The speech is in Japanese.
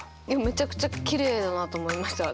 めちゃくちゃきれいだなと思いました。